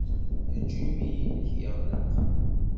Ejj imi-nnek yeɣleq.